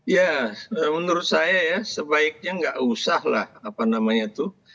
ya menurut saya ya sebaiknya nggak usah lah apa namanya itu